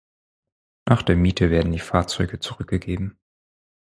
Nach der Miete werden die Fahrzeuge zurückgegeben.